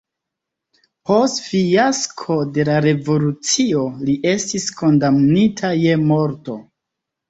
Post fiasko de la revolucio li estis kondamnita je morto.